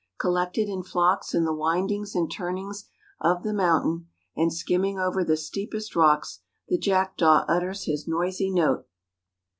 Collected in flocks in the windings and turnings of the mountain, and skimming over the steepest rocks, the jackdaw utters his noisy note.